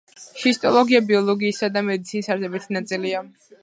ჰისტოლოგია ბიოლოგიისა და მედიცინის არსებითი ნაწილია.